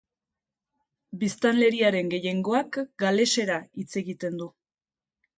Biztanleriaren gehiengoak galesera hitz egiten du.